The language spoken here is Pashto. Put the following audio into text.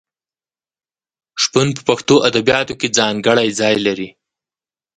شپون په پښتو ادبیاتو کې ځانګړی ځای لري.